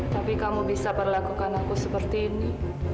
tapi kamu bisa perlakukan aku seperti ini